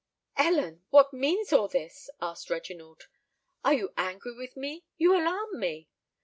"Ellen, what means all this?" asked Reginald: "are you angry with me? You alarm me!"